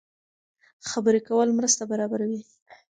خبرې کول مرسته برابروي.